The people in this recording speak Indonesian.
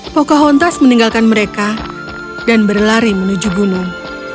pocahontas meninggalkan mereka dan berlari menuju gunung